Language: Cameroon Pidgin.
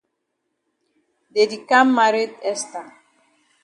Dey di kam maret Esther.